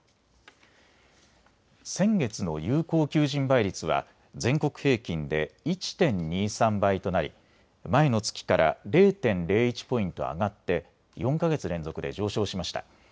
先月の有効求人倍率は全国平均で１．２３倍となり前の月から０．０１ポイント上がって４か月連続で上昇しました。